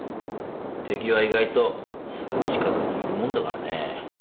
敵は意外とすぐ近くにいるもんだからね。